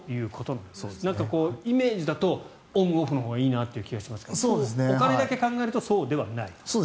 イメージだとオン・オフのほうがいいような気がしますがお金だけ考えるとそうではない。